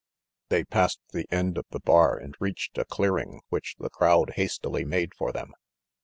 They passed the end of the bar and reached a clearing which the crowd hastily made for them.